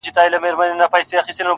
هغو زموږ په مټو یووړ تر منزله,